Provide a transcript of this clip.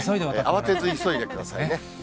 慌てず急いでくださいね。